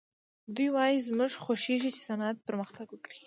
دوی وايي زموږ خوښېږي چې صنعت پرمختګ وکړي